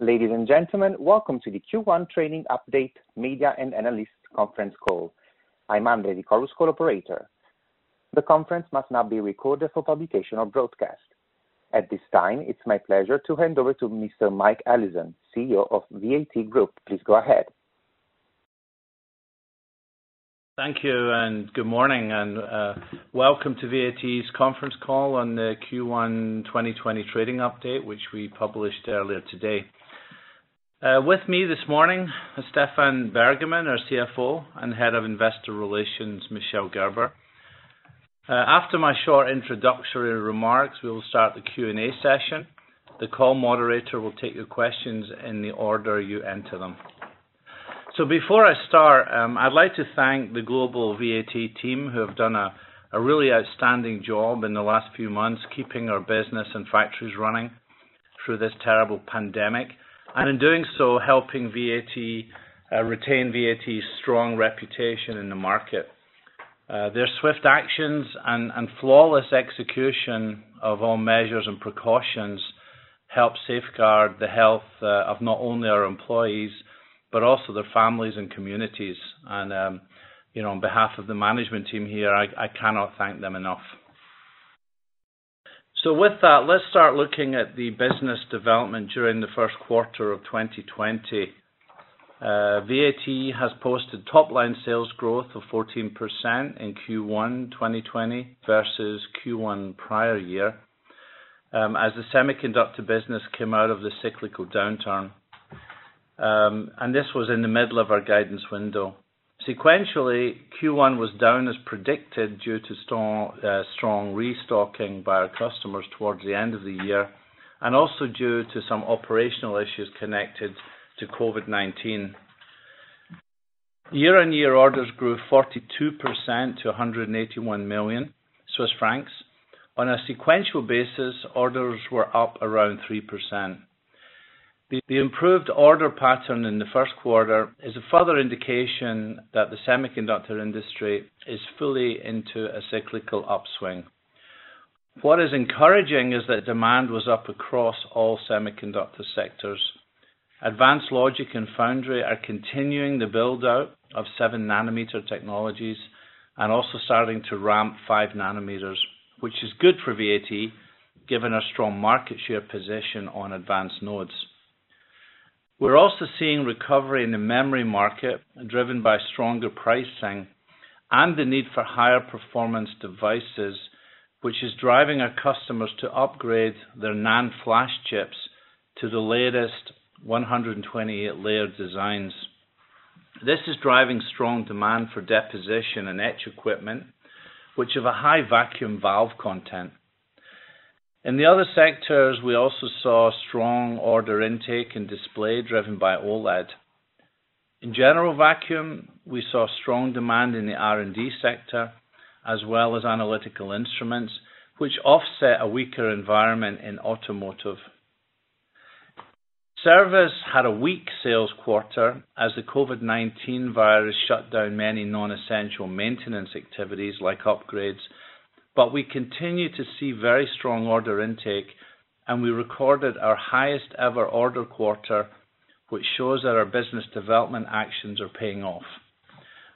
Ladies and gentlemen, welcome to the Q1 trading update media and analyst conference call. I'm Andy, the conference call operator. The conference must now be recorded for publication or broadcast. At this time, it's my pleasure to hand over to Mr. Mike Allison, CEO of VAT Group. Please go ahead. Thank you, good morning, and welcome to VAT's conference call on the Q1 2020 trading update, which we published earlier today. With me this morning is Stephan Bergamin, our CFO, and Head of Investor Relations, Michel Gerber. After my short introductory remarks, we will start the Q&A session. The call moderator will take your questions in the order you enter them. Before I start, I'd like to thank the global VAT team who have done a really outstanding job in the last few months, keeping our business and factories running through this terrible pandemic, and in doing so, helping retain VAT's strong reputation in the market. Their swift actions and flawless execution of all measures and precautions help safeguard the health of not only our employees, but also their families and communities. On behalf of the management team here, I cannot thank them enough. With that, let's start looking at the business development during the first quarter of 2020. VAT has posted top-line sales growth of 14% in Q1 2020 versus Q1 prior year as the semiconductor business came out of the cyclical downturn. This was in the middle of our guidance window. Sequentially, Q1 was down as predicted due to strong restocking by our customers towards the end of the year, and also due to some operational issues connected to COVID-19. Year-on-year orders grew 42% to 181 million Swiss francs. On a sequential basis, orders were up around 3%. The improved order pattern in the first quarter is a further indication that the semiconductor industry is fully into a cyclical upswing. What is encouraging is that demand was up across all semiconductor sectors. Advanced Logic and Foundry are continuing the build-out of 7 nanometer technologies and also starting to ramp 5 nm, which is good for VAT, given our strong market share position on advanced nodes. We're also seeing recovery in the memory market, driven by stronger pricing and the need for higher performance devices, which is driving our customers to upgrade their NAND Flash chips to the latest 128-layer designs. This is driving strong demand for deposition and etch equipment, which have a high vacuum valve content. In the other sectors, we also saw strong order intake and display driven by OLED. In general vacuum, we saw strong demand in the R&D sector, as well as analytical instruments, which offset a weaker environment in automotive. Service had a weak sales quarter as the COVID-19 virus shut down many non-essential maintenance activities like upgrades. We continue to see very strong order intake, and we recorded our highest ever order quarter, which shows that our business development actions are paying off.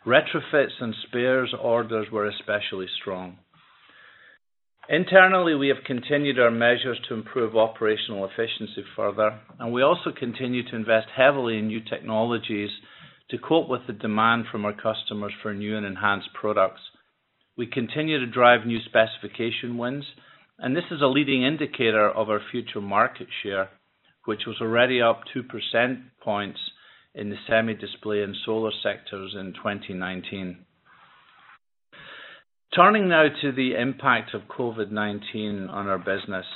Retrofits and spares orders were especially strong. Internally, we have continued our measures to improve operational efficiency further, and we also continue to invest heavily in new technologies to cope with the demand from our customers for new and enhanced products. We continue to drive new specification wins, and this is a leading indicator of our future market share, which was already up two percentage points in the semi display and solar sectors in 2019. Turning now to the impact of COVID-19 on our business.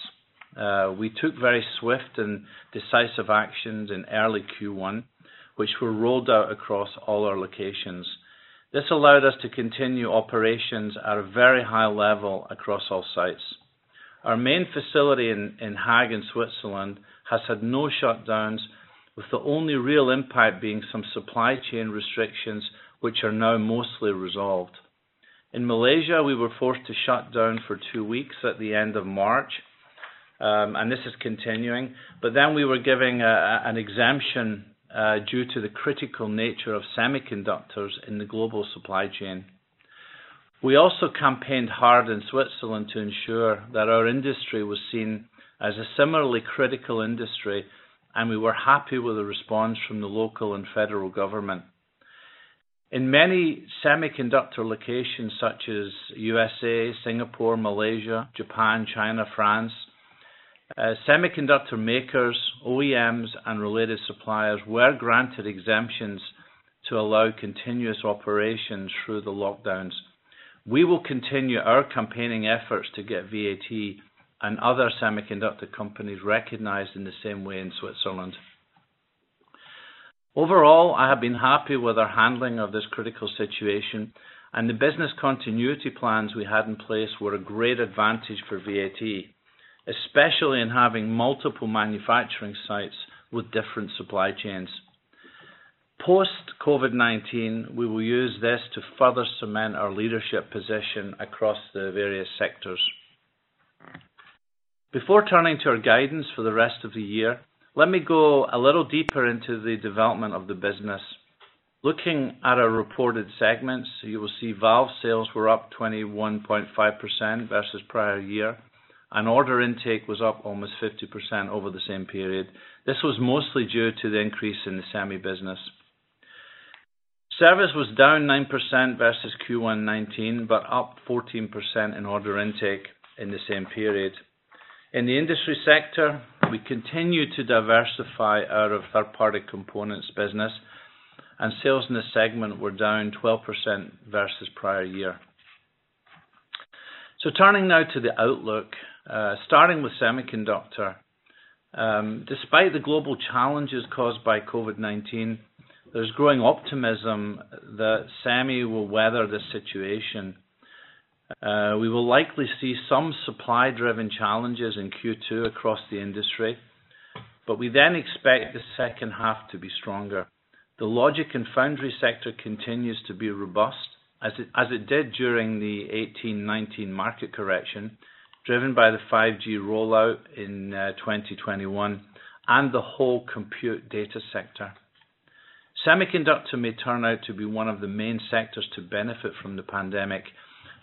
We took very swift and decisive actions in early Q1, which were rolled out across all our locations. This allowed us to continue operations at a very high level across all sites. Our main facility in Haag in Switzerland has had no shutdowns, with the only real impact being some supply chain restrictions which are now mostly resolved. In Malaysia, we were forced to shut down for two weeks at the end of March, and this is continuing. We were given an exemption due to the critical nature of semiconductors in the global supply chain. We also campaigned hard in Switzerland to ensure that our industry was seen as a similarly critical industry, and we were happy with the response from the local and federal government. In many semiconductor locations such as U.S.A., Singapore, Malaysia, Japan, China, France, semiconductor makers, OEMs, and related suppliers were granted exemptions to allow continuous operations through the lockdowns. We will continue our campaigning efforts to get VAT and other semiconductor companies recognized in the same way in Switzerland. Overall, I have been happy with our handling of this critical situation, and the business continuity plans we had in place were a great advantage for VAT, especially in having multiple manufacturing sites with different supply chains. Post-COVID-19, we will use this to further cement our leadership position across the various sectors. Before turning to our guidance for the rest of the year, let me go a little deeper into the development of the business. Looking at our reported segments, you will see valve sales were up 21.5% versus prior year, and order intake was up almost 50% over the same period. This was mostly due to the increase in the semi business. Service was down 9% versus Q1 2019, but up 14% in order intake in the same period. In the industry sector, we continue to diversify out of third-party components business. Sales in this segment were down 12% versus prior year. Turning now to the outlook, starting with semiconductor. Despite the global challenges caused by COVID-19, there's growing optimism that semi will weather the situation. We will likely see some supply-driven challenges in Q2 across the industry. We then expect the second half to be stronger. The logic and foundry sector continues to be robust as it did during the 2018, 2019 market correction, driven by the 5G rollout in 2021 and the whole compute data sector. Semiconductor may turn out to be one of the main sectors to benefit from the pandemic.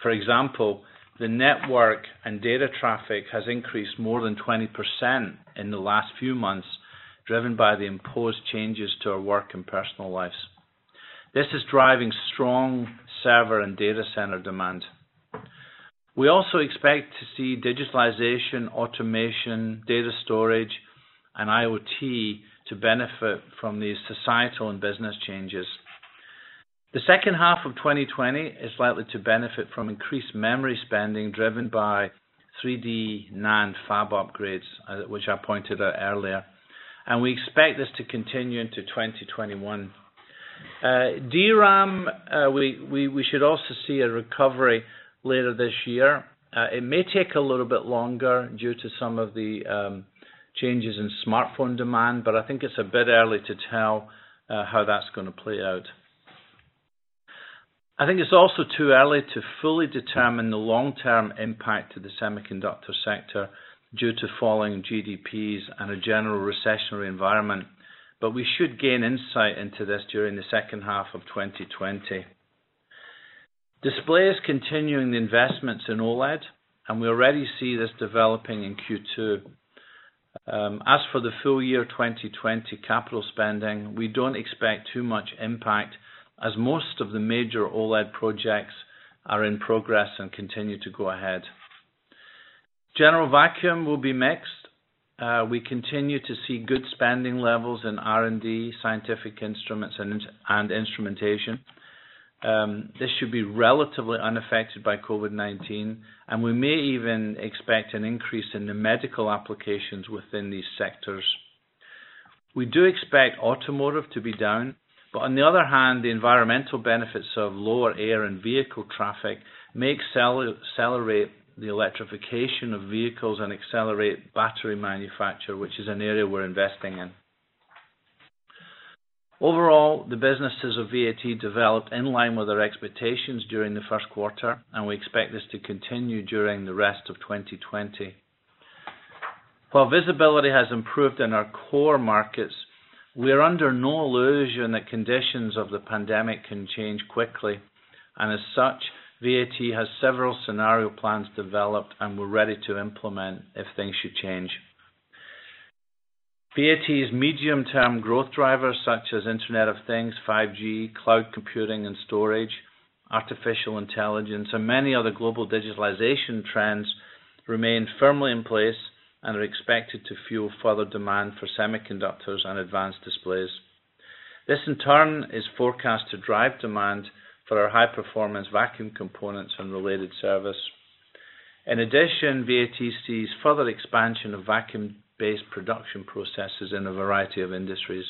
For example, the network and data traffic has increased more than 20% in the last few months, driven by the imposed changes to our work and personal lives. This is driving strong server and data center demand. We also expect to see digitalization, automation, data storage, and IoT to benefit from these societal and business changes. The second half of 2020 is likely to benefit from increased memory spending, driven by 3D NAND fab upgrades, which I pointed out earlier, and we expect this to continue into 2021. DRAM, we should also see a recovery later this year. It may take a little bit longer due to some of the changes in smartphone demand, but I think it's a bit early to tell how that's going to play out. I think it's also too early to fully determine the long-term impact to the semiconductor sector due to falling GDPs and a general recessionary environment, but we should gain insight into this during the second half of 2020. Display is continuing the investments in OLED, and we already see this developing in Q2. As for the full year 2020 capital spending, we don't expect too much impact as most of the major OLED projects are in progress and continue to go ahead. General vacuum will be mixed. We continue to see good spending levels in R&D, scientific instruments, and instrumentation. This should be relatively unaffected by COVID-19, and we may even expect an increase in the medical applications within these sectors. We do expect automotive to be down, but on the other hand, the environmental benefits of lower air and vehicle traffic may accelerate the electrification of vehicles and accelerate battery manufacture, which is an area we're investing in. Overall, the businesses of VAT developed in line with our expectations during the first quarter, and we expect this to continue during the rest of 2020. While visibility has improved in our core markets, we are under no illusion the conditions of the pandemic can change quickly, and as such, VAT has several scenario plans developed, and we're ready to implement if things should change. VAT's medium-term growth drivers such as Internet of Things, 5G, cloud computing and storage, artificial intelligence, and many other global digitalization trends remain firmly in place and are expected to fuel further demand for semiconductors and advanced displays. This, in turn, is forecast to drive demand for our high-performance vacuum components and related service. In addition, VAT sees further expansion of vacuum-based production processes in a variety of industries.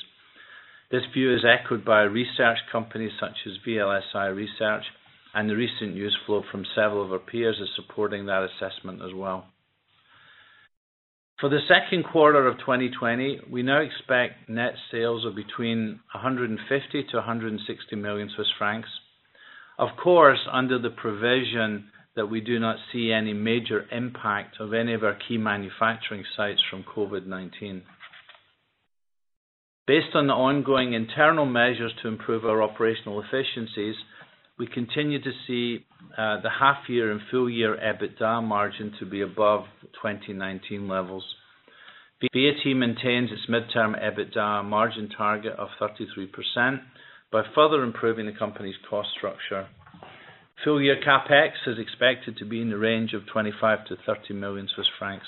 This view is echoed by research companies such as VLSIresearch, and the recent news flow from several of our peers is supporting that assessment as well. For the second quarter of 2020, we now expect net sales of between 150 million-160 million Swiss francs, of course, under the provision that we do not see any major impact of any of our key manufacturing sites from COVID-19. Based on the ongoing internal measures to improve our operational efficiencies, we continue to see the half year and full year EBITDA margin to be above 2019 levels. VAT maintains its midterm EBITDA margin target of 33% by further improving the company's cost structure. Full-year CapEx is expected to be in the range of 25 million-30 million Swiss francs.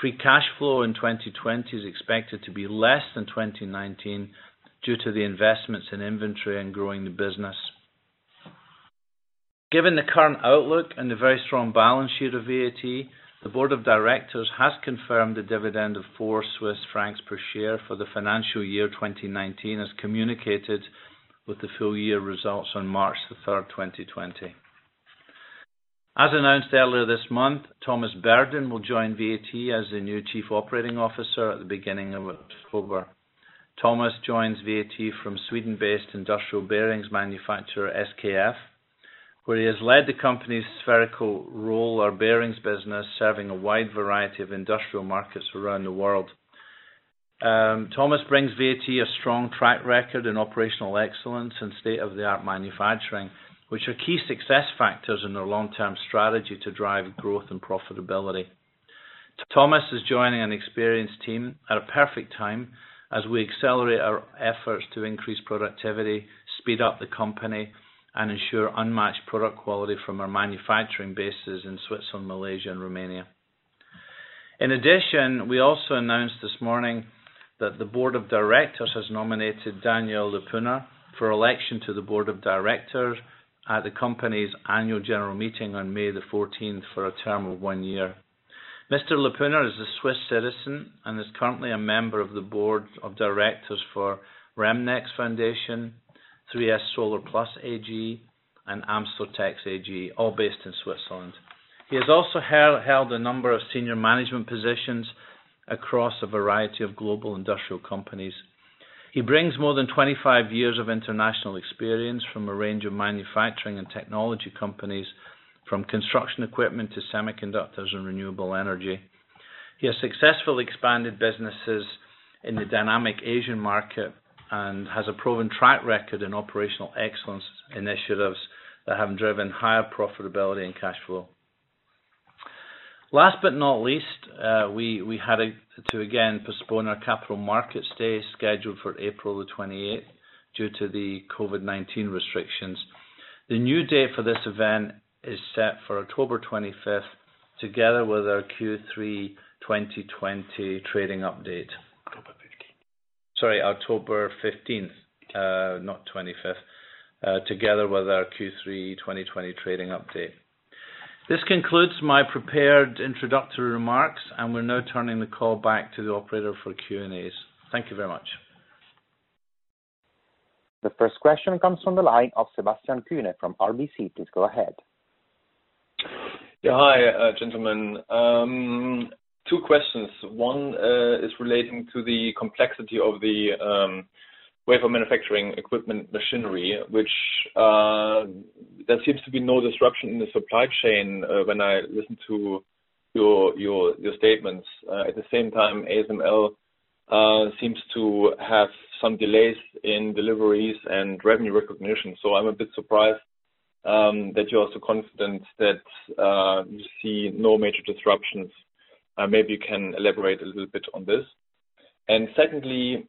Free cash flow in 2020 is expected to be less than 2019 due to the investments in inventory and growing the business. Given the current outlook and the very strong balance sheet of VAT, the Board of Directors has confirmed a dividend of 4 Swiss francs per share for the financial year 2019, as communicated with the full-year results on March 3, 2020. Announced earlier this month, Thomas Berden will join VAT as the new Chief Operating Officer at the beginning of October. Thomas joins VAT from Sweden-based industrial bearings manufacturer, SKF, where he has led the company's spherical roller bearings business, serving a wide variety of industrial markets around the world. Thomas brings VAT a strong track record in operational excellence and state-of-the-art manufacturing, which are key success factors in their long-term strategy to drive growth and profitability. Thomas is joining an experienced team at a perfect time as we accelerate our efforts to increase productivity, speed up the company, and ensure unmatched product quality from our manufacturing bases in Switzerland, Malaysia, and Romania. In addition, we also announced this morning that the board of directors has nominated Daniel Lippuner for election to the board of directors at the company's annual general meeting on May the 14th for a term of one year. Mr. Lippuner is a Swiss citizen and is currently a member of the board of directors for REMNEX Foundation, 3S Solar Plus AG, and AMS Tex AG, all based in Switzerland. He has also held a number of senior management positions across a variety of global industrial companies. He brings more than 25 years of international experience from a range of manufacturing and technology companies, from construction equipment to semiconductors and renewable energy. He has successfully expanded businesses in the dynamic Asian market and has a proven track record in operational excellence initiatives that have driven higher profitability and cash flow. Last but not least, we had to again postpone our capital markets day scheduled for April the 28th due to the COVID-19 restrictions. The new date for this event is set for October 25th, together with our Q3 2020 trading update. October 15th. Sorry, October 15th, not 25th, together with our Q3 2020 trading update. This concludes my prepared introductory remarks, and we're now turning the call back to the operator for Q&As. Thank you very much. The first question comes from the line of Sebastian Kuenne from RBC. Please go ahead. Hi, gentlemen. Two questions. One is relating to the complexity of the wafer manufacturing equipment machinery, which there seems to be no disruption in the supply chain when I listen to your statements. At the same time, ASML seems to have some delays in deliveries and revenue recognition. I'm a bit surprised that you're so confident that you see no major disruptions. Maybe you can elaborate a little bit on this. Secondly,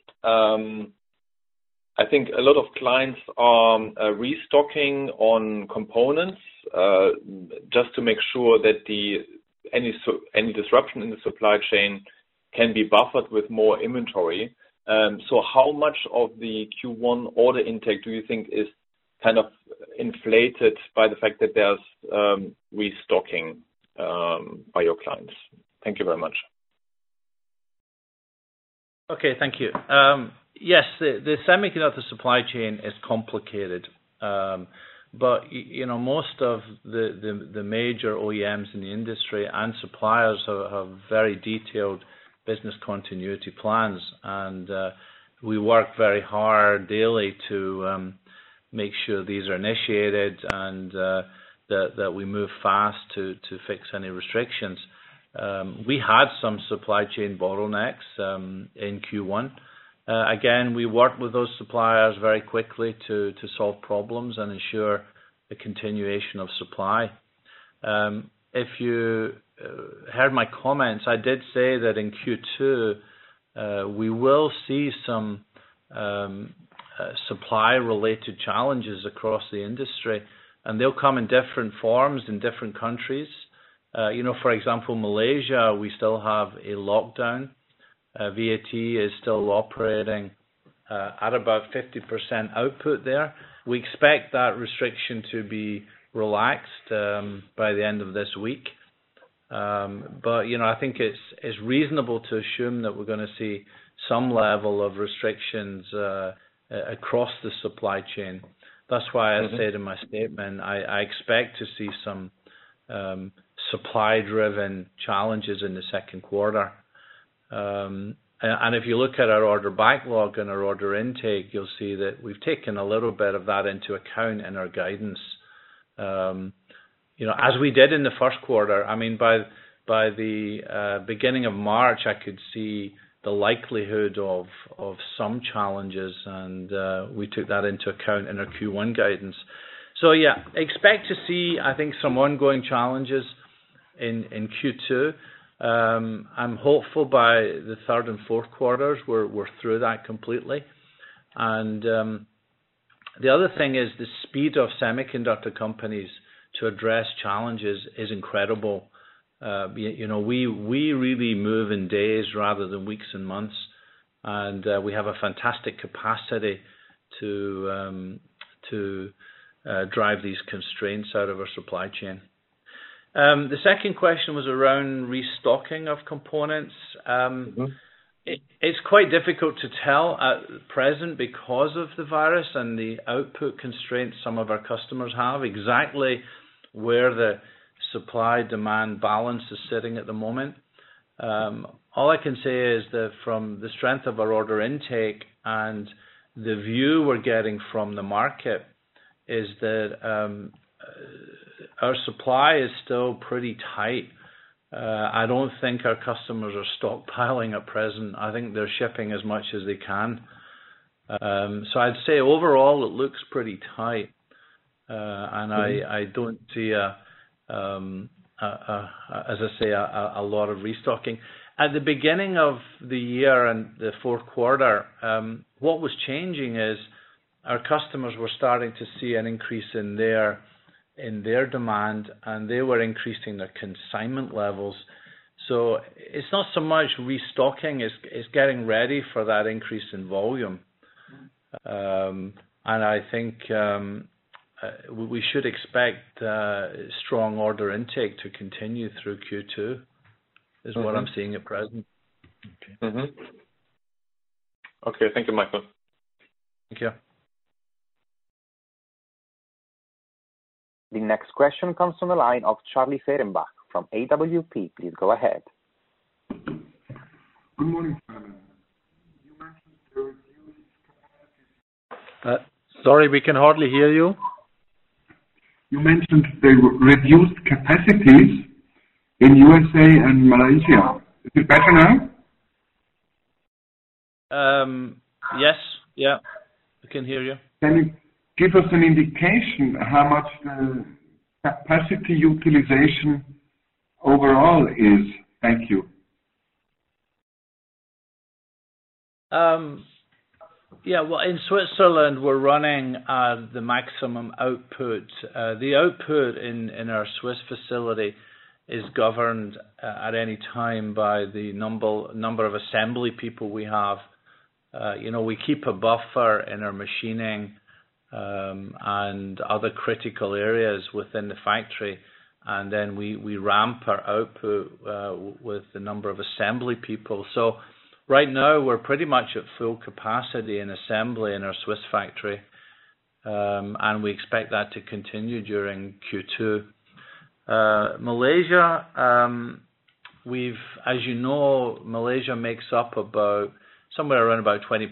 I think a lot of clients are restocking on components, just to make sure that any disruption in the supply chain can be buffered with more inventory. How much of the Q1 order intake do you think is kind of inflated by the fact that there's restocking by your clients? Thank you very much. Okay. Thank you. The semiconductor supply chain is complicated. Most of the major OEMs in the industry and suppliers have very detailed business continuity plans. We work very hard daily to make sure these are initiated and that we move fast to fix any restrictions. We had some supply chain bottlenecks in Q1. Again, we worked with those suppliers very quickly to solve problems and ensure the continuation of supply. If you heard my comments, I did say that in Q2, we will see some supply-related challenges across the industry, and they'll come in different forms in different countries. For example, Malaysia, we still have a lockdown. VAT is still operating at about 50% output there. We expect that restriction to be relaxed by the end of this week. I think it's reasonable to assume that we're going to see some level of restrictions across the supply chain. That's why I said in my statement, I expect to see some supply-driven challenges in the second quarter. If you look at our order backlog and our order intake, you'll see that we've taken a little bit of that into account in our guidance. As we did in the first quarter, by the beginning of March, I could see the likelihood of some challenges, and we took that into account in our Q1 guidance. Yeah, expect to see, I think, some ongoing challenges in Q2. I'm hopeful by the third and fourth quarters, we're through that completely. The other thing is the speed of semiconductor companies to address challenges is incredible. We really move in days rather than weeks and months. We have a fantastic capacity to drive these constraints out of our supply chain. The second question was around restocking of components. It's quite difficult to tell at present because of the virus and the output constraints some of our customers have, exactly where the supply-demand balance is sitting at the moment. All I can say is that from the strength of our order intake and the view we're getting from the market is that our supply is still pretty tight. I don't think our customers are stockpiling at present. I think they're shipping as much as they can. I'd say overall it looks pretty tight. I don't see, as I say, a lot of restocking. At the beginning of the year and the fourth quarter, what was changing is our customers were starting to see an increase in their demand, and they were increasing their consignment levels. It's not so much restocking, it's getting ready for that increase in volume. I think we should expect strong order intake to continue through Q2, is what I'm seeing at present. Okay. Mm-hmm. Okay. Thank you, Michael. Thank you. The next question comes from the line of Charlie Fehrenbach from AWP. Please go ahead. Good morning, Simon. You mentioned the reduced capacity- Sorry, we can hardly hear you. You mentioned the reduced capacities in U.S. and Malaysia. Is it better now? Yes. I can hear you. Can you give us an indication how much the capacity utilization overall is? Thank you. Yeah. Well, in Switzerland, we're running the maximum output. The output in our Swiss facility is governed at any time by the number of assembly people we have. We keep a buffer in our machining and other critical areas within the factory, then we ramp our output with the number of assembly people. Right now, we're pretty much at full capacity in assembly in our Swiss factory, and we expect that to continue during Q2. Malaysia, as you know, Malaysia makes up about somewhere around about 20%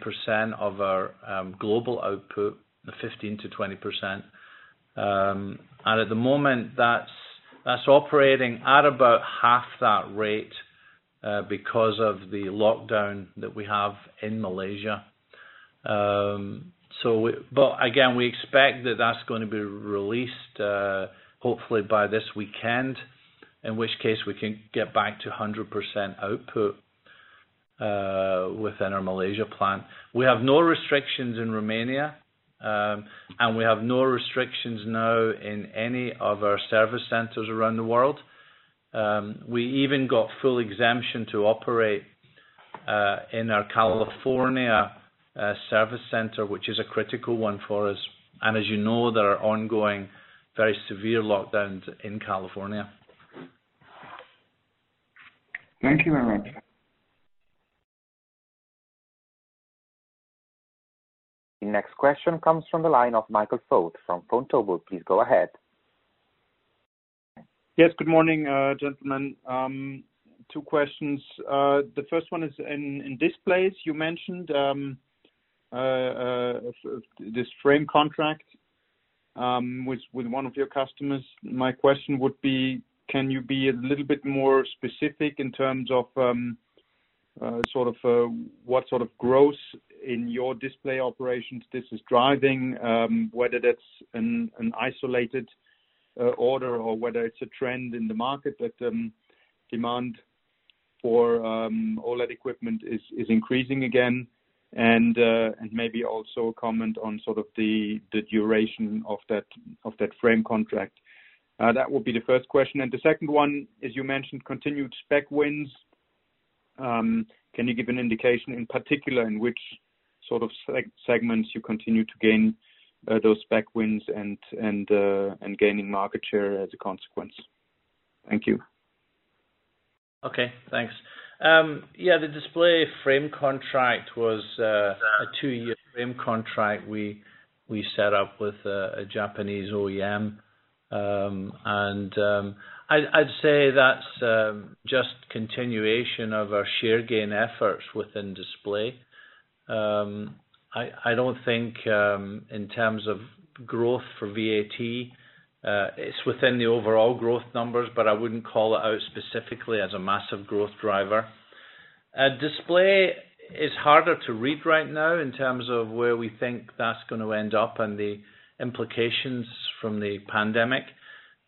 of our global output, 15%-20%. At the moment, that's operating at about half that rate because of the lockdown that we have in Malaysia. Again, we expect that that's going to be released, hopefully by this weekend, in which case we can get back to 100% output within our Malaysia plant. We have no restrictions in Romania, and we have no restrictions now in any of our service centers around the world. We even got full exemption to operate in our California service center, which is a critical one for us. As you know, there are ongoing, very severe lockdowns in California. Thank you very much. The next question comes from the line of Michael Foeth from Vontobel. Please go ahead. Yes, good morning, gentlemen. Two questions. The first one is in displays. You mentioned this frame contract with one of your customers. My question would be, can you be a little bit more specific in terms of what sort of growth in your display operations this is driving? Whether that's an isolated order or whether it's a trend in the market that demand for OLED equipment is increasing again. Maybe also comment on sort of the duration of that frame contract. That would be the first question. The second one, as you mentioned, continued spec wins. Can you give an indication in particular in which sort of segments you continue to gain those spec wins and gaining market share as a consequence? Thank you. Okay, thanks. Yeah, the display frame contract was a two-year frame contract we set up with a Japanese OEM. I'd say that's just continuation of our share gain efforts within display. I don't think in terms of growth for VAT. It's within the overall growth numbers, but I wouldn't call it out specifically as a massive growth driver. Display is harder to read right now in terms of where we think that's going to end up and the implications from the pandemic.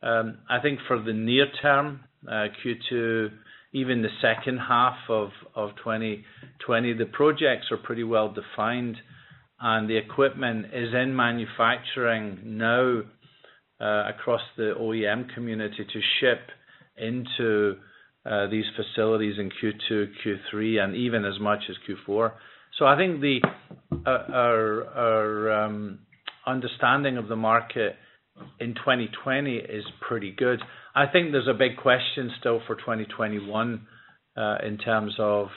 I think for the near term, Q2, even the second half of 2020, the projects are pretty well-defined, and the equipment is in manufacturing now across the OEM community to ship into these facilities in Q2, Q3, and even as much as Q4. I think our understanding of the market in 2020 is pretty good. I think there's a big question still for 2021, in terms of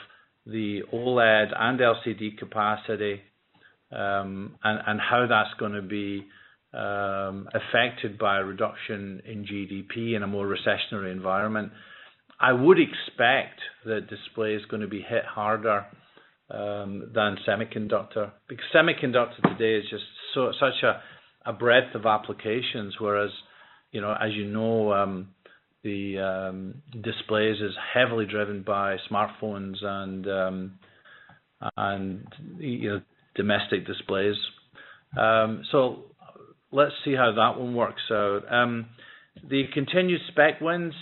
the OLED and LCD capacity. How that's going to be affected by a reduction in GDP in a more recessionary environment. I would expect that display is going to be hit harder than semiconductor, because semiconductor today is just such a breadth of applications. Whereas, as you know, the displays is heavily driven by smartphones and domestic displays. Let's see how that one works out. The continued spec wins,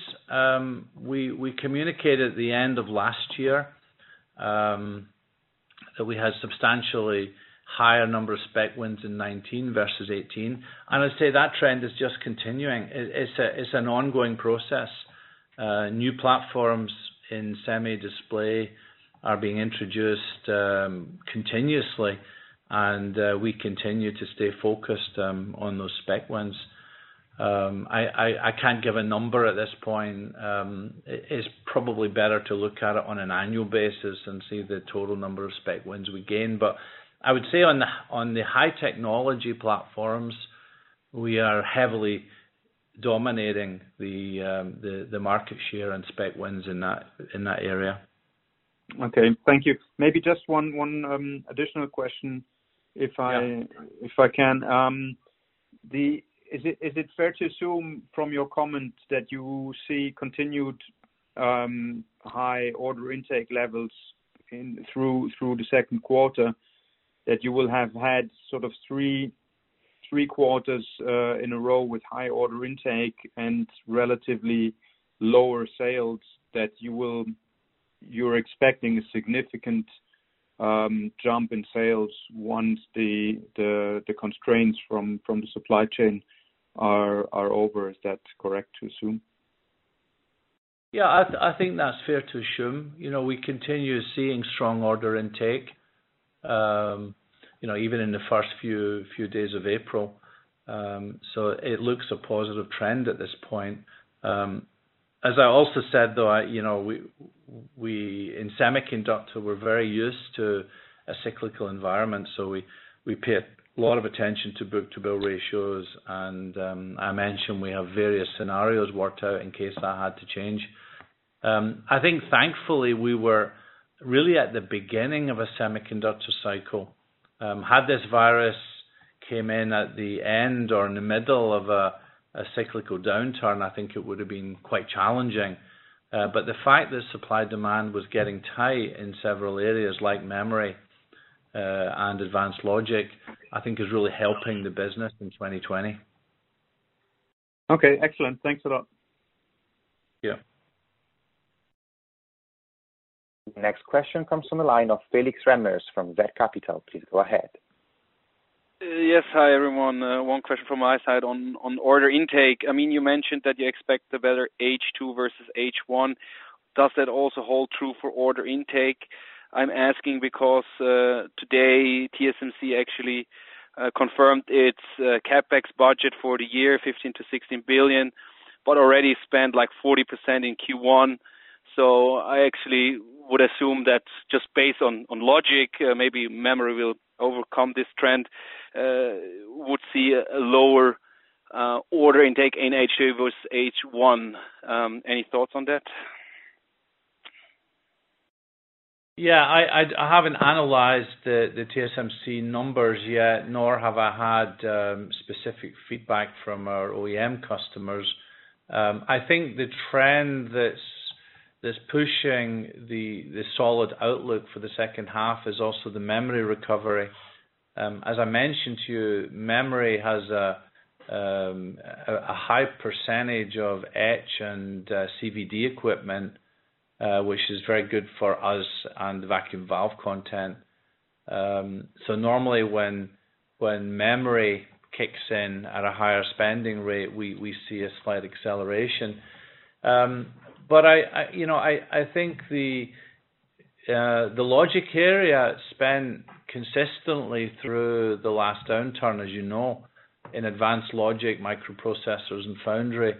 we communicated at the end of last year, that we had substantially higher number of spec wins in 2019 versus 2018, and I'd say that trend is just continuing. It's an ongoing process. New platforms in semi display are being introduced continuously, and we continue to stay focused on those spec wins. I can't give a number at this point. It is probably better to look at it on an annual basis and see the total number of spec wins we gain. I would say on the high technology platforms, we are heavily dominating the market share and spec wins in that area. Okay. Thank you. Maybe just one additional question? Yeah if I can. Is it fair to assume from your comment that you see continued high order intake levels through the second quarter, that you will have had sort of three quarters in a row with high order intake and relatively lower sales, that you're expecting a significant jump in sales once the constraints from the supply chain are over. Is that correct to assume? Yeah, I think that's fair to assume. We continue seeing strong order intake, even in the first few days of April. It looks a positive trend at this point. As I also said, though, in semiconductor, we're very used to a cyclical environment, we pay a lot of attention to book-to-bill ratios and I mentioned we have various scenarios worked out in case that had to change. I think thankfully, we were really at the beginning of a semiconductor cycle. Had this virus came in at the end or in the middle of a cyclical downturn, I think it would've been quite challenging. The fact that supply demand was getting tight in several areas like memory, and advanced logic, I think is really helping the business in 2020. Okay, excellent. Thanks a lot. Yeah. Next question comes from the line of Felix Remmers from zCapital AG. Please go ahead. Yes. Hi, everyone. One question from my side on order intake. I mean, you mentioned that you expect a better H2 versus H1. Does that also hold true for order intake? I am asking because, today, TSMC actually confirmed its CapEx budget for the year, 15 billion-16 billion, but already spent like 40% in Q1. I actually would assume that just based on logic, maybe memory will overcome this trend, would see a lower order intake in H2 versus H1. Any thoughts on that? I haven't analyzed the TSMC numbers yet, nor have I had specific feedback from our OEM customers. I think the trend that's pushing the solid outlook for the second half is also the memory recovery. As I mentioned to you, memory has a high percentage of etch and CVD equipment, which is very good for us and the vacuum valve content. Normally when memory kicks in at a higher spending rate, we see a slight acceleration. I think the logic area spent consistently through the last downturn, as you know, in advanced logic, microprocessors, and foundry.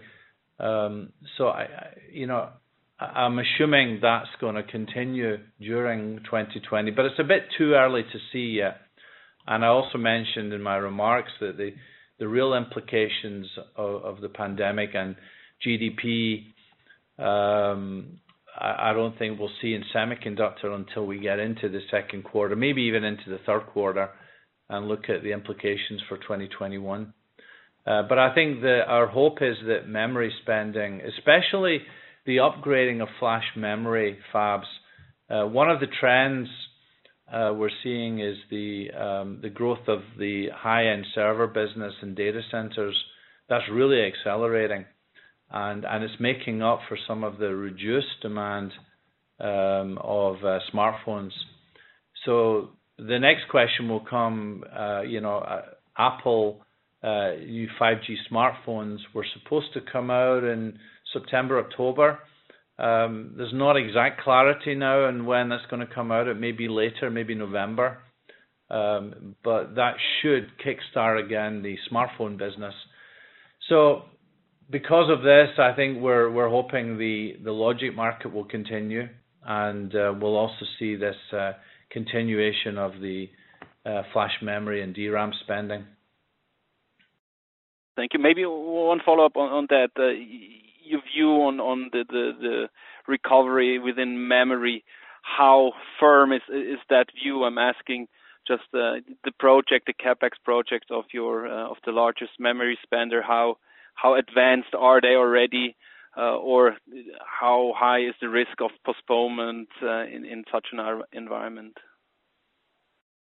I'm assuming that's going to continue during 2020, but it's a bit too early to see yet. I also mentioned in my remarks that the real implications of the pandemic and GDP, I don't think we'll see in semiconductor until we get into the second quarter, maybe even into the third quarter and look at the implications for 2021. I think our hope is that memory spending, especially the upgrading of flash memory fabs. One of the trends we're seeing is the growth of the high-end server business and data centers. That's really accelerating, and it's making up for some of the reduced demand of smartphones. The next question will come, Apple new 5G smartphones were supposed to come out in September, October. There's not exact clarity now on when that's going to come out. It may be later, maybe November. That should kickstart again, the smartphone business. Because of this, I think we're hoping the logic market will continue, and we'll also see this continuation of the flash memory and DRAM spending. Thank you. Maybe one follow-up on that. Your view on the recovery within memory, how firm is that view? I'm asking just the CapEx project of the largest memory spender, how advanced are they already? Or how high is the risk of postponement in such an environment?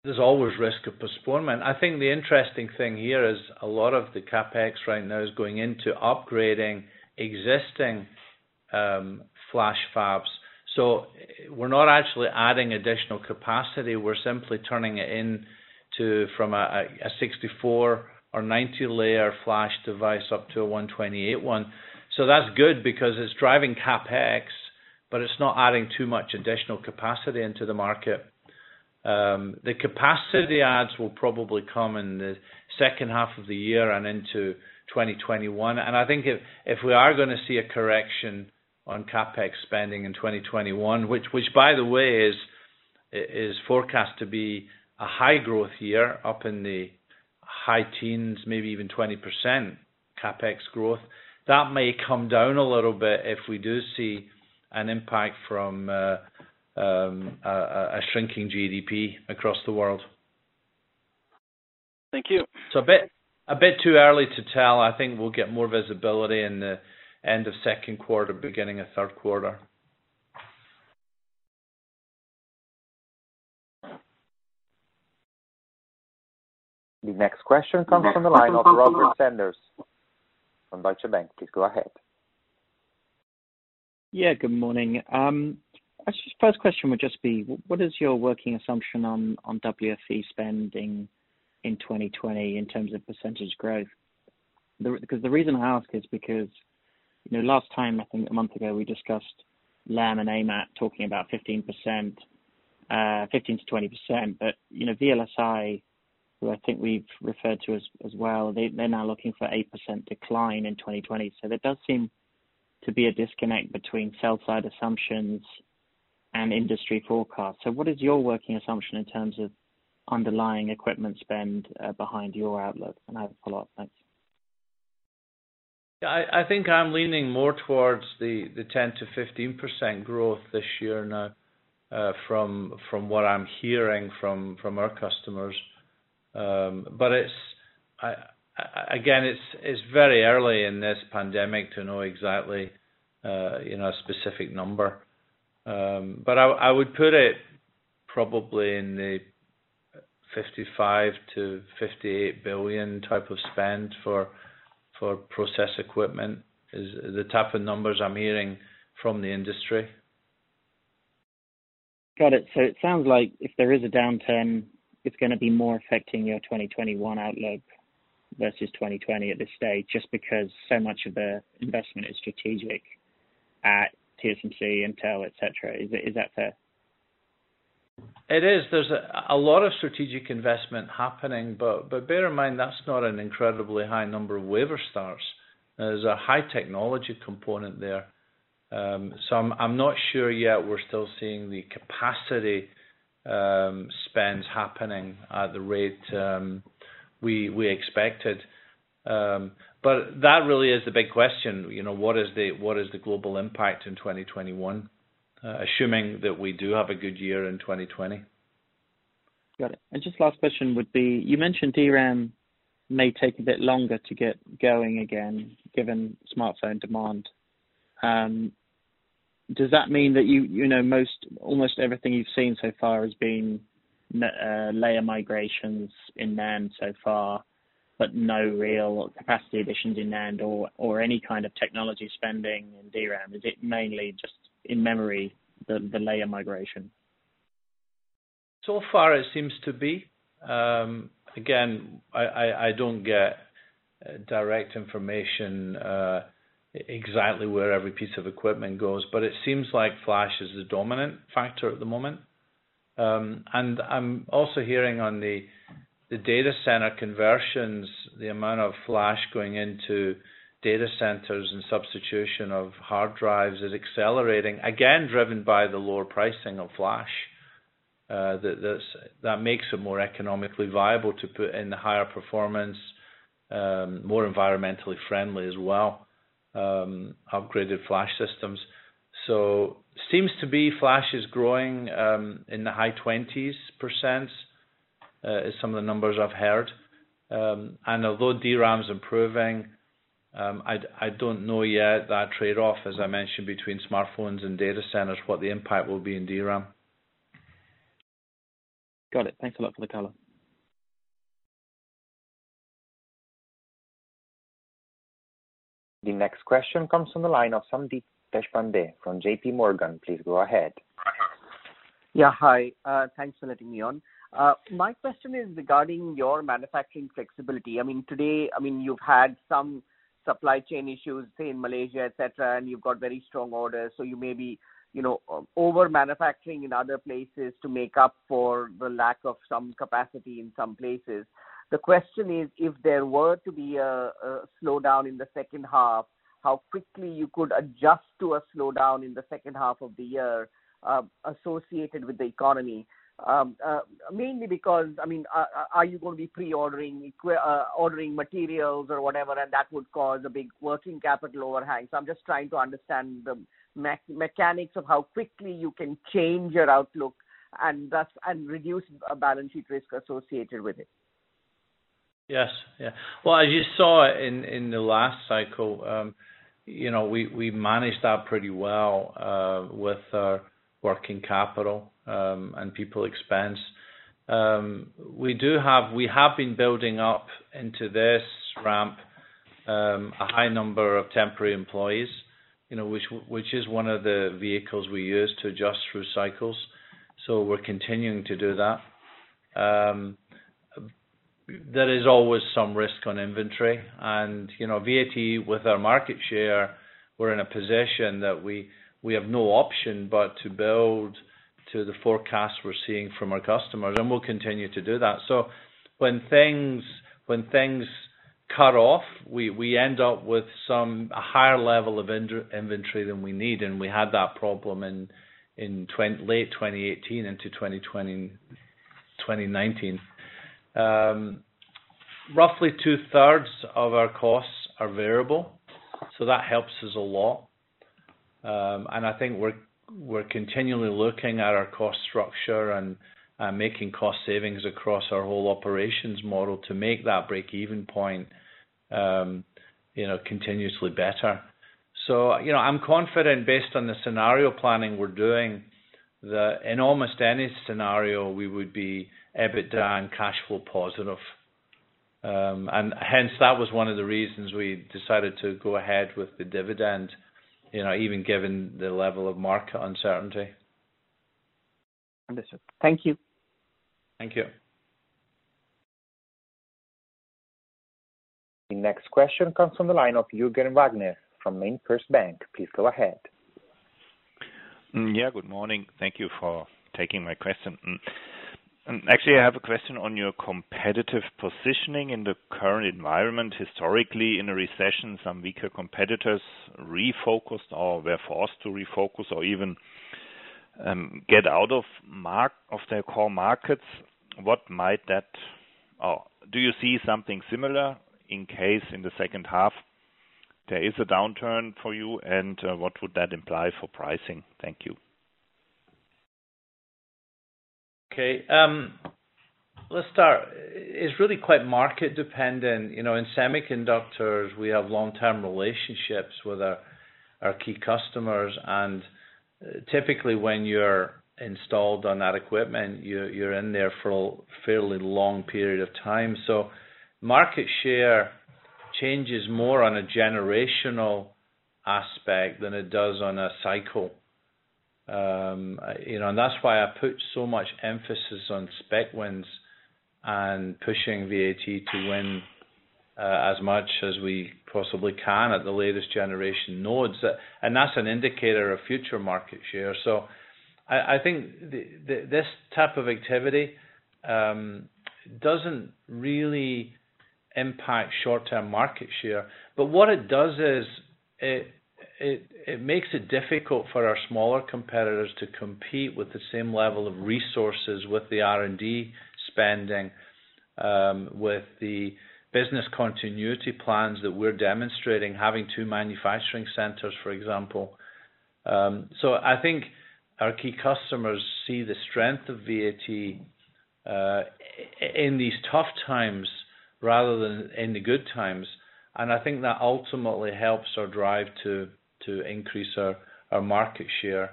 There's always risk of postponement. I think the interesting thing here is a lot of the CapEx right now is going into upgrading existing flash fabs. We're not actually adding additional capacity, we're simply turning it in from a 64 or 90 layer flash device up to a 128 one. The capacity adds will probably come in the second half of the year and into 2021. I think if we are going to see a correction on CapEx spending in 2021, which by the way, is forecast to be a high growth year up in the high teens, maybe even 20% CapEx growth. That may come down a little bit if we do see an impact from a shrinking GDP across the world. Thank you. It's a bit too early to tell. I think we'll get more visibility in the end of second quarter, beginning of third quarter. The next question comes from the line of Robert Sanders from Deutsche Bank. Please go ahead. Yeah, good morning. First question would just be, what is your working assumption on WFE spending in 2020 in terms of percentage growth? The reason I ask is because, last time, I think a month ago, we discussed Lam and AMAT talking about 15%-20%. VLSI, who I think we've referred to as well, they're now looking for 8% decline in 2020. There does seem to be a disconnect between sell side assumptions and industry forecasts. What is your working assumption in terms of underlying equipment spend behind your outlook? I have a follow-up. Thanks. I think I'm leaning more towards the 10%-15% growth this year now, from what I'm hearing from our customers. Again, it's very early in this pandemic to know exactly a specific number. I would put it probably in the 55 billion-58 billion type of spend for process equipment, is the type of numbers I'm hearing from the industry. Got it. It sounds like if there is a downturn, it's going to be more affecting your 2021 outlook versus 2020 at this stage, just because so much of the investment is strategic at TSMC, Intel, etc. Is that fair? It is. There's a lot of strategic investment happening. Bear in mind, that's not an incredibly high number of wafer starts. There's a high technology component there. I'm not sure yet, we're still seeing the capacity spends happening at the rate we expected. That really is the big question, what is the global impact in 2021, assuming that we do have a good year in 2020? Got it. Just last question would be, you mentioned DRAM may take a bit longer to get going again, given smartphone demand. Does that mean that almost everything you've seen so far has been layer migrations in NAND so far, but no real capacity additions in NAND or any kind of technology spending in DRAM? Is it mainly just in memory, the layer migration? So far, it seems to be. Again, I don't get direct information, exactly where every piece of equipment goes, but it seems like flash is the dominant factor at the moment. I'm also hearing on the data center conversions, the amount of flash going into data centers and substitution of hard drives is accelerating, again, driven by the lower pricing of flash. That makes it more economically viable to put in the higher performance, more environmentally friendly as well, upgraded flash systems. Seems to be flash is growing in the high 20%, is some of the numbers I've heard. Although DRAM's improving, I don't know yet that trade-off, as I mentioned, between smartphones and data centers, what the impact will be in DRAM. Got it. Thanks a lot for the color. The next question comes from the line of Sandeep Deshpande from JPMorgan. Please go ahead. Yeah, hi. Thanks for letting me on. My question is regarding your manufacturing flexibility. Today, you've had some supply chain issues, say in Malaysia, et cetera, and you've got very strong orders. You may be over manufacturing in other places to make up for the lack of some capacity in some places. The question is, if there were to be a slowdown in the second half, how quickly you could adjust to a slowdown in the second half of the year associated with the economy. Mainly because, are you going to be pre-ordering materials or whatever, and that would cause a big working capital overhang? I'm just trying to understand the mechanics of how quickly you can change your outlook and reduce balance sheet risk associated with it. Yes. Well, as you saw in the last cycle, we managed that pretty well with our working capital and people expense. We have been building up into this ramp, a high number of temporary employees which is one of the vehicles we use to adjust through cycles. We're continuing to do that. There is always some risk on inventory and, VAT, with our market share, we're in a position that we have no option but to build to the forecast we're seeing from our customers, and we'll continue to do that. When things cut off, we end up with some higher level of inventory than we need, and we had that problem in late 2018 into 2019. Roughly two-thirds of our costs are variable, so that helps us a lot. I think we're continually looking at our cost structure and making cost savings across our whole operations model to make that break-even point continuously better. I'm confident based on the scenario planning we're doing, that in almost any scenario, we would be EBITDA and cash flow positive. Hence, that was one of the reasons we decided to go ahead with the dividend, even given the level of market uncertainty. Understood. Thank you. Thank you. The next question comes from the line of Jürgen Wagner from MainFirst Bank. Please go ahead. Yeah, good morning. Thank you for taking my question. Actually, I have a question on your competitive positioning in the current environment. Historically, in a recession, some weaker competitors refocused or were forced to refocus or even get out of their core markets. Do you see something similar in case in the second half there is a downturn for you, and what would that imply for pricing? Thank you. Okay. Let's start. It's really quite market-dependent. In semiconductors, we have long-term relationships with our key customers. Typically, when you're installed on that equipment, you're in there for a fairly long period of time. Market share changes more on a generational aspect than it does on a cycle. That's why I put so much emphasis on spec wins and pushing VAT to win as much as we possibly can at the latest generation nodes. That's an indicator of future market share. I think this type of activity doesn't really impact short-term market share. What it does is, it makes it difficult for our smaller competitors to compete with the same level of resources with the R&D spending, with the business continuity plans that we're demonstrating, having two manufacturing centers, for example. I think our key customers see the strength of VAT, in these tough times rather than in the good times. I think that ultimately helps our drive to increase our market share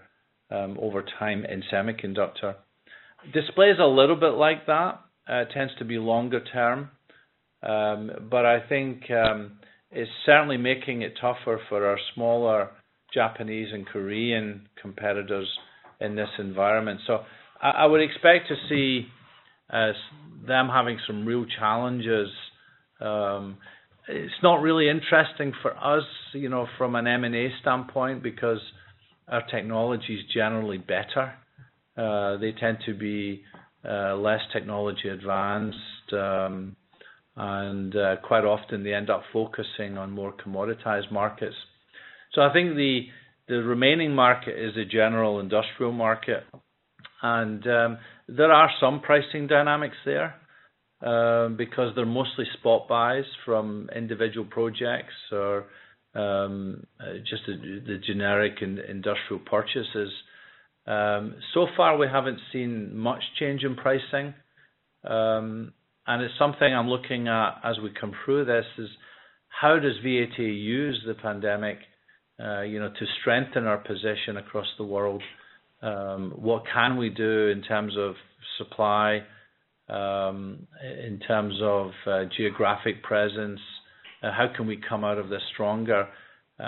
over time in semiconductor. Display is a little bit like that. It tends to be longer term. I think it's certainly making it tougher for our smaller Japanese and Korean competitors in this environment. I would expect to see them having some real challenges. It's not really interesting for us, from an M&A standpoint, because our technology is generally better. They tend to be less technology advanced. Quite often they end up focusing on more commoditized markets. I think the remaining market is a general industrial market, and there are some pricing dynamics there, because they're mostly spot buys from individual projects or, just the generic industrial purchases. So far we haven't seen much change in pricing. It's something I'm looking at as we come through this is, how does VAT use the pandemic to strengthen our position across the world? What can we do in terms of supply, in terms of geographic presence? How can we come out of this stronger?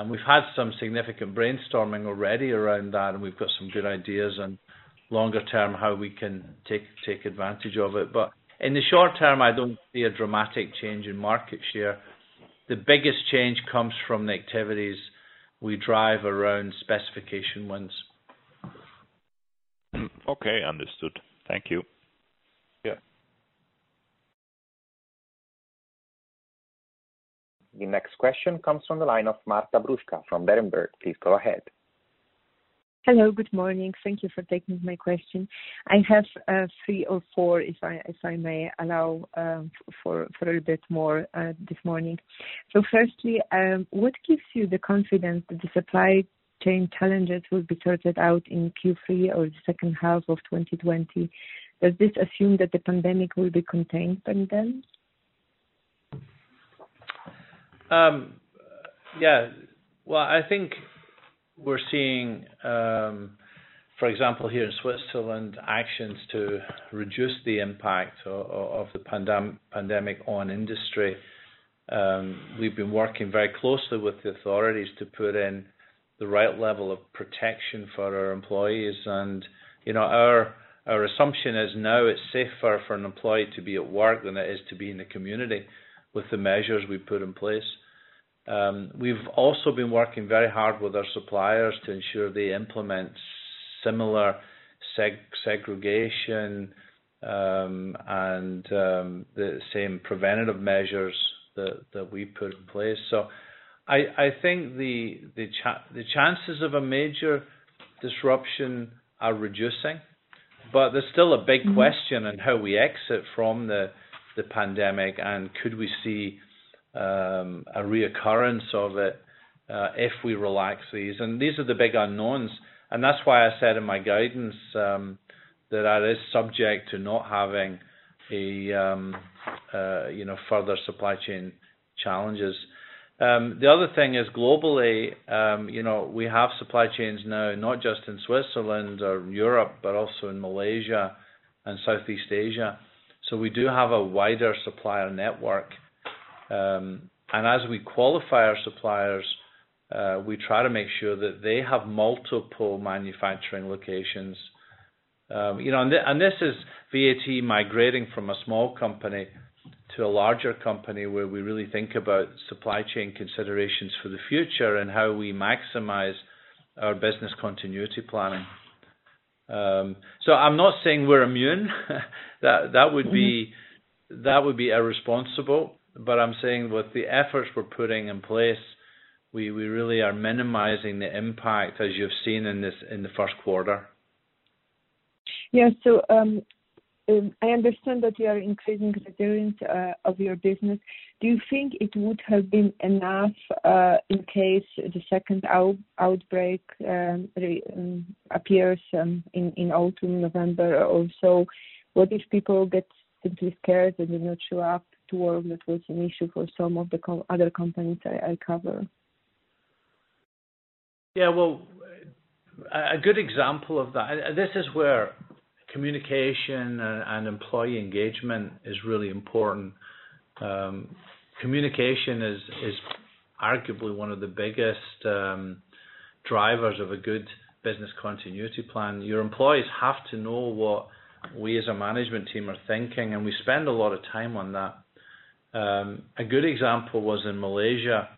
We've had some significant brainstorming already around that, and we've got some good ideas on longer term, how we can take advantage of it. In the short term, I don't see a dramatic change in market share. The biggest change comes from the activities we drive around specification wins. Okay, understood. Thank you. Yeah. The next question comes from the line of Marta Bruska from Berenberg. Please go ahead. Hello, good morning. Thank you for taking my question. I have three or four, if I may allow for a little bit more this morning. Firstly, what gives you the confidence that the supply chain challenges will be sorted out in Q3 or the second half of 2020? Does this assume that the pandemic will be contained by then? Well, I think we're seeing, for example, here in Switzerland, actions to reduce the impact of the pandemic on industry. We've been working very closely with the authorities to put in the right level of protection for our employees. Our assumption is now it's safer for an employee to be at work than it is to be in the community, with the measures we've put in place. We've also been working very hard with our suppliers to ensure they implement similar segregation, and the same preventative measures that we put in place. I think the chances of a major disruption are reducing, but there's still a big question on how we exit from the pandemic and could we see a reoccurrence of it if we relax these. These are the big unknowns. That's why I said in my guidance, that that is subject to not having further supply chain challenges. The other thing is globally, we have supply chains now, not just in Switzerland or Europe, but also in Malaysia and Southeast Asia. We do have a wider supplier network. As we qualify our suppliers, we try to make sure that they have multiple manufacturing locations. This is VAT migrating from a small company to a larger company, where we really think about supply chain considerations for the future and how we maximize our business continuity planning. I'm not saying we're immune. That would be irresponsible, but I'm saying with the efforts we're putting in place, we really are minimizing the impact, as you've seen in the first quarter. Yeah. I understand that you are increasing resilience of your business. Do you think it would have been enough, in case the second outbreak appears in autumn, November or so? What if people get simply scared and they not show up to work, that was an issue for some of the other companies I cover. Well, a good example of that, this is where communication and employee engagement is really important. Communication is arguably one of the biggest drivers of a good business continuity plan. Your employees have to know what we as a management team are thinking, and we spend a lot of time on that. A good example was in Malaysia.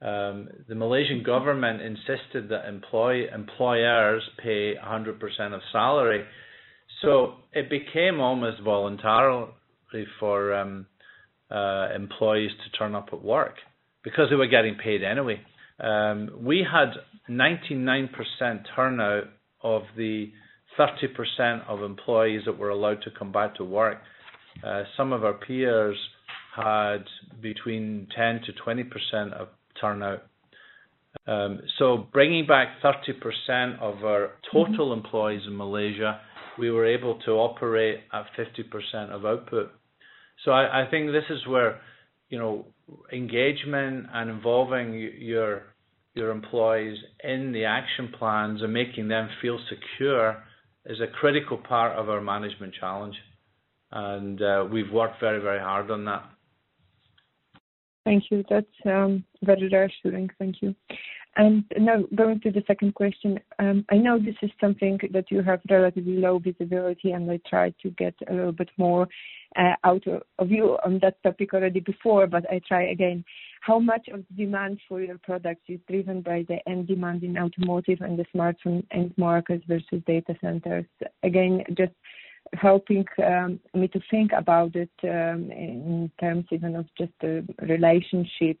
The Malaysian government insisted that employers pay 100% of salary. It became almost voluntarily for employees to turn up at work because they were getting paid anyway. We had 99% turnout of the 30% of employees that were allowed to come back to work. Some of our peers had between 10%-20% of turnout. Bringing back 30% of our total employees in Malaysia, we were able to operate at 50% of output. I think this is where engagement and involving your employees in the action plans and making them feel secure is a critical part of our management challenge. We've worked very hard on that. Thank you. That's very reassuring. Thank you. Now going to the second question. I know this is something that you have relatively low visibility, and I tried to get a little bit more out of you on that topic already before, but I try again. How much of demand for your product is driven by the end demand in automotive and the smartphone end markets versus data centers? Just helping me to think about it, in terms even of just the relationship,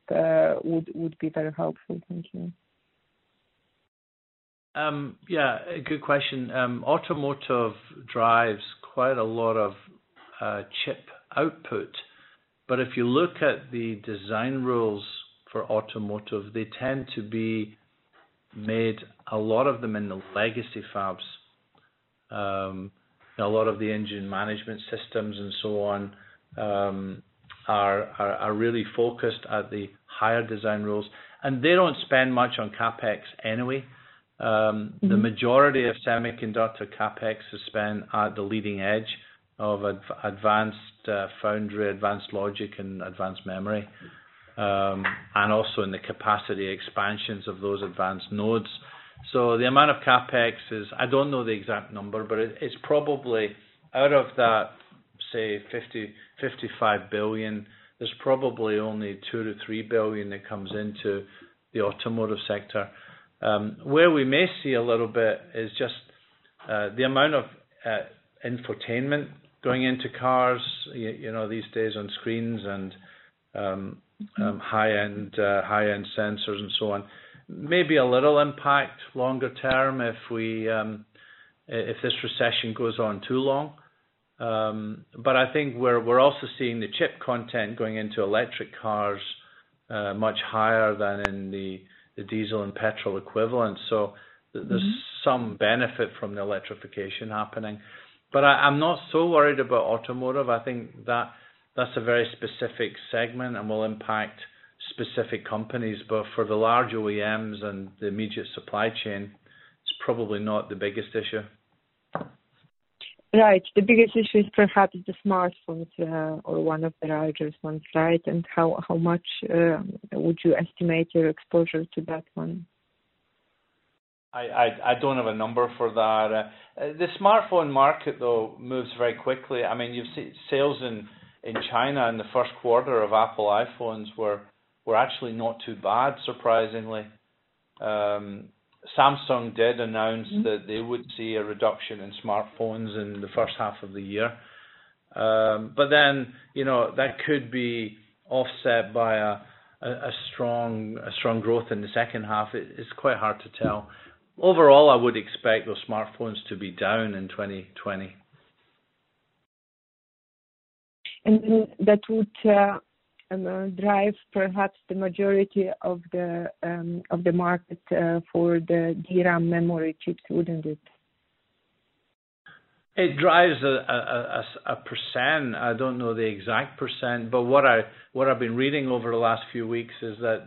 would be very helpful. Thank you. Yeah, a good question. Automotive drives quite a lot of chip output, but if you look at the design rules for automotive, they tend to be made, a lot of them, in the legacy fabs. A lot of the engine management systems and so on are really focused at the higher design rules, and they don't spend much on CapEx anyway. The majority of semiconductor CapEx is spent at the leading edge of advanced foundry, advanced logic, and advanced memory, and also in the capacity expansions of those advanced nodes. The amount of CapEx is, I don't know the exact number, but it's probably out of that $50 billion-$55 billion. There's probably only $2 billion-$3 billion that comes into the automotive sector. Where we may see a little bit is just the amount of infotainment going into cars, these days on screens and high-end sensors and so on. Maybe a little impact longer term if this recession goes on too long. I think we're also seeing the chip content going into electric cars much higher than in the diesel and petrol equivalent. There's some benefit from the electrification happening. I'm not so worried about automotive. I think that's a very specific segment and will impact specific companies. For the large OEMs and the immediate supply chain, it's probably not the biggest issue. Right. The biggest issue is perhaps the smartphones, or one of the largest ones, right? How much would you estimate your exposure to that one? I don't have a number for that. The smartphone market, though, moves very quickly. You've seen sales in China in the first quarter of Apple iPhones were actually not too bad, surprisingly. Samsung did announce that they would see a reduction in smartphones in the first half of the year. That could be offset by a strong growth in the second half. It's quite hard to tell. Overall, I would expect those smartphones to be down in 2020. That would drive perhaps the majority of the market for the DRAM memory chips, wouldn't it? It drives a percent. I don't know the exact percent, but what I've been reading over the last few weeks is that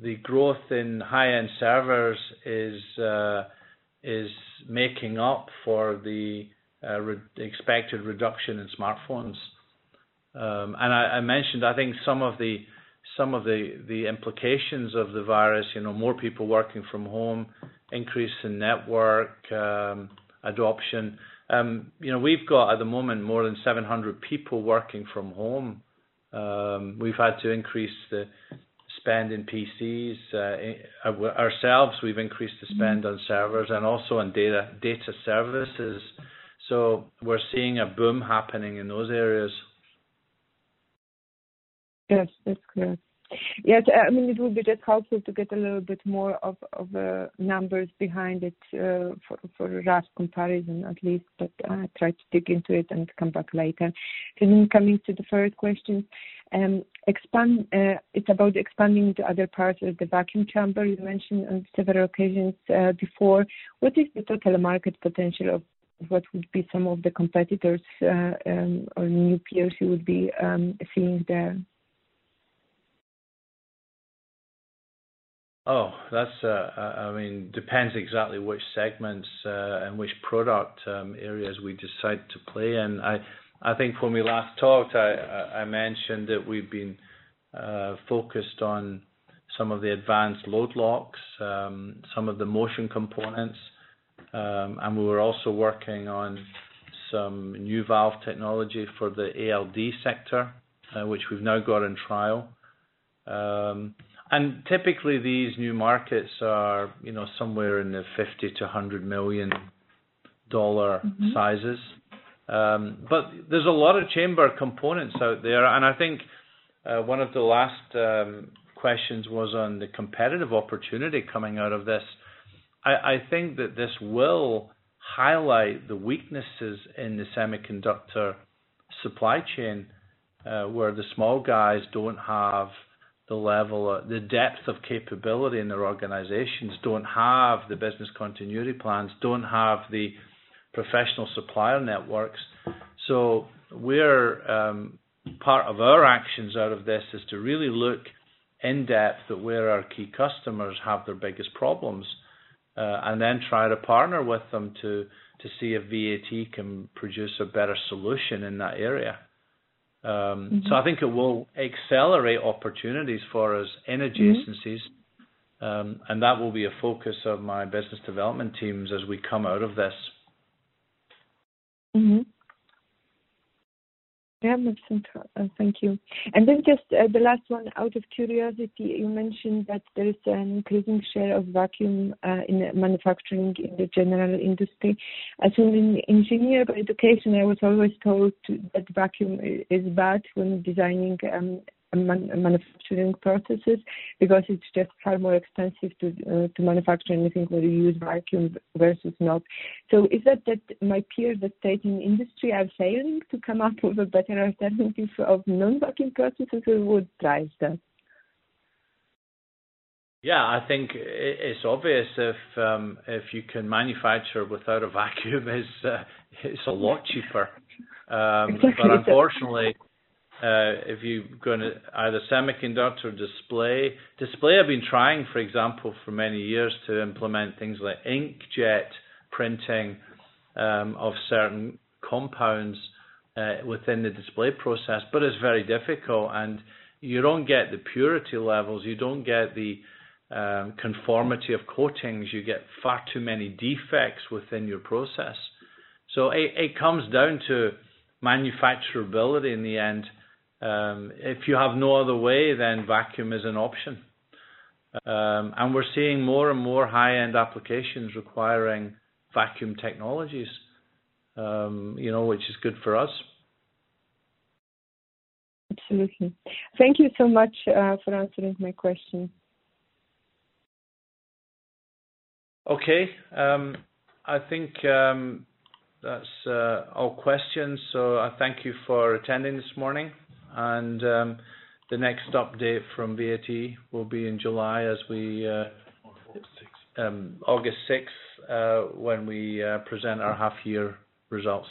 the growth in high-end servers is making up for the expected reduction in smartphones. I mentioned, I think some of the implications of the virus, more people working from home, increase in network adoption. We've got, at the moment, more than 700 people working from home. We've had to increase the spend in PCs. Ourselves, we've increased the spend on servers and also on data services. We're seeing a boom happening in those areas. Yes, that's clear. Yeah, it would be just helpful to get a little bit more of the numbers behind it for a rough comparison, at least. I'll try to dig into it and come back later. Coming to the third question. It's about expanding to other parts of the vacuum chamber you mentioned on several occasions before. What is the total market potential of what would be some of the competitors or new peers you would be seeing there? That depends exactly which segments, and which product areas we decide to play in. I think when we last talked, I mentioned that we've been focused on some of the advanced load locks, some of the motion components, and we were also working on some new valve technology for the ALD sector, which we've now got on trial. Typically, these new markets are somewhere in the CHF 50 million-CHF 100 million sizes. There's a lot of chamber components out there, and I think one of the last questions was on the competitive opportunity coming out of this. I think that this will highlight the weaknesses in the semiconductor supply chain, where the small guys don't have the level or the depth of capability, and their organizations don't have the business continuity plans, don't have the professional supplier networks. Part of our actions out of this is to really look in depth at where our key customers have their biggest problems, and then try to partner with them to see if VAT can produce a better solution in that area. I think it will accelerate opportunities for us in adjacencies, and that will be a focus of my business development teams as we come out of this. Yeah, that's interesting. Thank you. Just the last one, out of curiosity, you mentioned that there is an increasing share of vacuum in manufacturing in the general industry. As an engineer by education, I was always told that vacuum is bad when designing manufacturing processes because it's just far more expensive to manufacture anything where you use vacuum versus not. Is it that my peers that stayed in industry are failing to come up with a better alternative of non-vacuum processes, or what drives that? Yeah, I think it's obvious if you can manufacture without a vacuum, it's a lot cheaper. Exactly. Unfortunately, if you're going to either semiconductor or display. Display have been trying, for example, for many years to implement things like inkjet printing of certain compounds within the display process, but it's very difficult, and you don't get the purity levels. You don't get the conformity of coatings. You get far too many defects within your process. It comes down to manufacturability in the end. If you have no other way, then vacuum is an option. We're seeing more and more high-end applications requiring vacuum technologies, which is good for us. Absolutely. Thank you so much for answering my questions. Okay. I think that's all questions. I thank you for attending this morning. The next update from VAT will be on August 6th. August 6th, when we present our half-year results.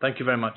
Thank you very much.